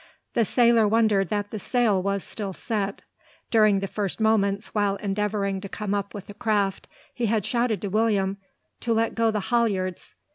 The sailor wondered that the sail was still set. During the first moments, while endeavouring to come up with the craft, he had shouted to William to let go the halliards.